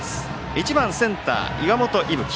１番センター、岩本聖冬生。